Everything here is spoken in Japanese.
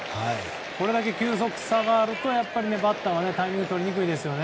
これだけ球速差があるとバッターはタイミングとりにくいですよね。